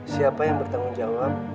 siapa yang bertanggung jawab